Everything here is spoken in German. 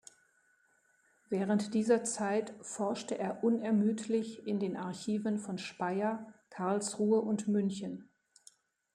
Während dieser Zeit forschte er unermüdlich in den Archiven von Speyer, Karlsruhe und München.